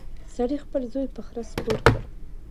سړي خپل زوی په خره سپور کړ.